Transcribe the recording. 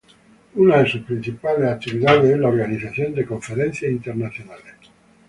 Una de sus principales actividades es la organización de conferencias internacionales.